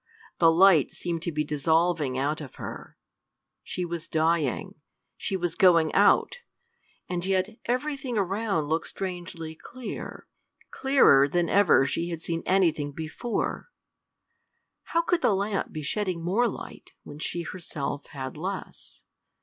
The light seemed to be dissolving out of her; she was dying she was going out! And yet everything around looked strangely clear clearer than ever she had seen anything before: how could the lamp be shedding more light when she herself had less?